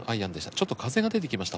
ちょっと風が出てきました